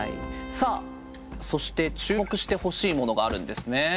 さあそして注目してほしいものがあるんですね。